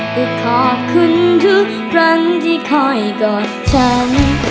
ก็ขอบคุณทุกครั้งที่คอยกอดฉัน